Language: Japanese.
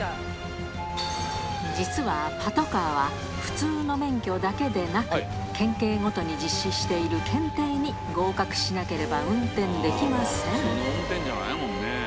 実はパトカーは、普通の免許だけでなく、県警ごとに実施している検定に合格しなければ運転できません。